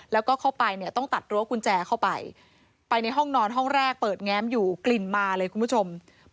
แล้วก็เข้าไปเนี่ยต้องตัดรั้วกุญแจเข้าไปไปในห้องนอนห้องแรกเปิดแง้มอยู่กลิ่นมาเลยคุณผู้ชม